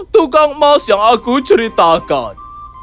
tukang emas yang aku ceritakan